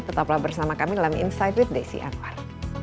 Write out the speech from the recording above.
tetaplah bersama kami dalam insight with desi anwar